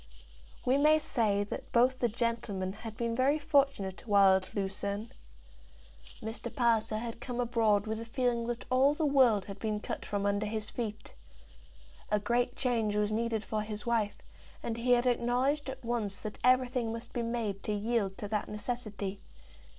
We may say that both the gentlemen had been very fortunate while at Lucerne. Mr. Palliser had come abroad with a feeling that all the world had been cut from under his feet. A great change was needed for his wife, and he had acknowledged at once that everything must be made to yield to that necessity.